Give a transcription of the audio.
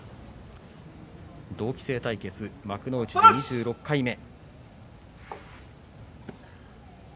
同期生対決、幕内２６回目。